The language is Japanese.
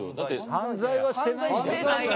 犯罪はしてないじゃん。